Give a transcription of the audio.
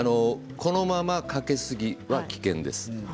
このままかけすぎは危険です。